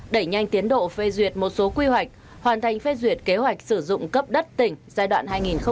đẩy nhanh tiến độ phê duyệt một số quy hoạch hoàn thành phê duyệt kế hoạch sử dụng cấp đất tỉnh giai đoạn hai nghìn một mươi sáu hai nghìn hai mươi